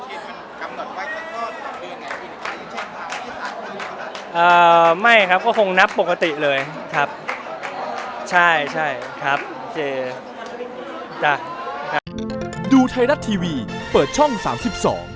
เอ่อไม่ครับก็คงนับปกติเลยครับใช่ใช่ครับโอเค